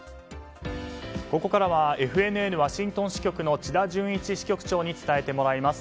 ここからはＦＮＮワシントン支局の千田淳一支局長に伝えてもらいます。